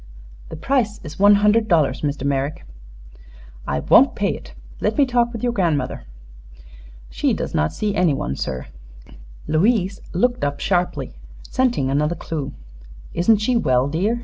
"The price is one hundred dollars, Mr. Merrick." "I won't pay it. Let me talk with your grandmother." "She does not see anyone, sir." Louise looked up sharply, scenting another clue. "Isn't she well, dear?"